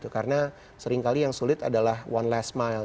karena seringkali yang sulit adalah one last mile